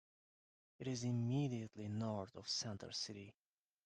It is immediately north of Center City.